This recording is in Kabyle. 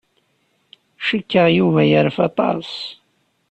Cikkeɣ Yuba yerfa aṭas.